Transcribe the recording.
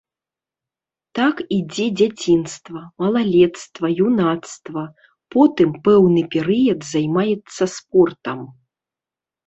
Так ідзе дзяцінства, малалецтва, юнацтва, потым пэўны перыяд займаецца спортам.